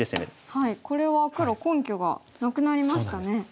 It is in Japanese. これは黒根拠がなくなりましたね。